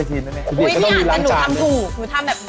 อุ๊ยนี่แต่หนูทำถูกหนูทำแบบนี้